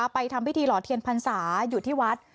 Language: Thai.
ทำพิธีหล่อเทียนพรรษาอยู่ที่วัด